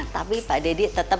tapi pak deddy tetap